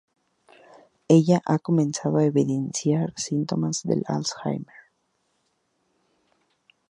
Ella ha comenzado a evidenciar síntomas del Alzheimer.